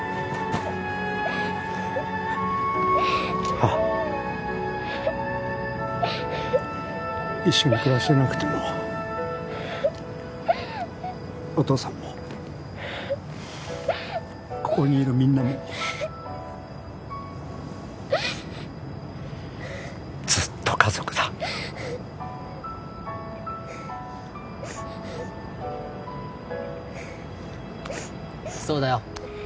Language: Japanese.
ああ一緒に暮らしてなくてもお父さんもここにいるみんなもずっと家族だそうだよ